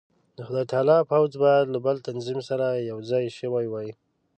د خدای تعالی پوځ باید له بل تنظیم سره یو ځای شوی وای.